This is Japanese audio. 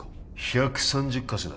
１３０か所だ